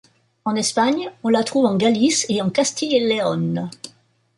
En Espagne, on la trouve en Galice et en Castille-et-León.